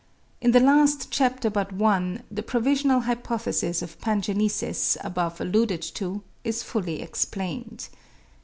In the last chapter but one, the provisional hypothesis of pangenesis, above alluded to, is fully explained.)